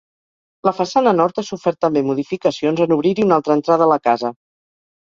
La façana nord ha sofert també modificacions en obrir-hi una altra entrada a la casa.